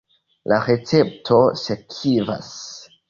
La recepto sekvas.